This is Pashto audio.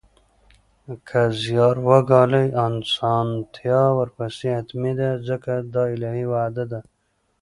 که زیار وګالئ، اسانتیا ورپسې حتمي ده ځکه دا الهي وعده ده